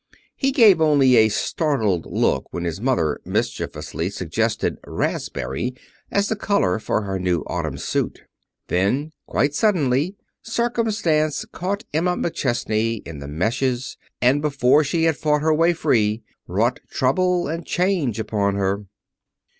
He gave only a startled look when his mother mischievously suggested raspberry as the color for her new autumn suit. Then, quite suddenly, Circumstance caught Emma McChesney in the meshes and, before she had fought her way free, wrought trouble and change upon her.